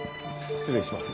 失礼します。